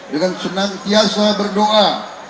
dengan senantiasa berdoa